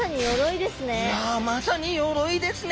いやまさに鎧ですね！